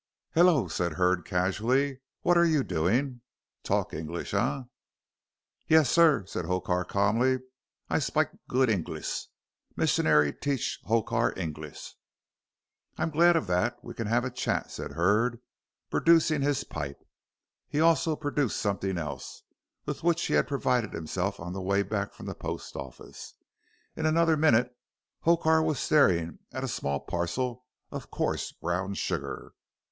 "Hullo," said Hurd, casually, "what are you doing. Talk English, eh?" "Yes, sir," said Hokar, calmly. "I spike good Englis. Missionary teach Hokar Englis." "I'm glad of that; we can have a chat," said Hurd, producing his pipe. He also produced something else with which he had provided himself on the way back from the post office. In another minute Hokar was staring at a small parcel of coarse brown sugar.